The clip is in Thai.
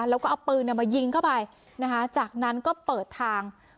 แล้วก็เอาปืนมายิงเข้าไปนะคะจากนั้นก็เปิดทาง